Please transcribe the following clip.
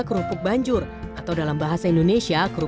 jadi pada suatu saat padang oncom itu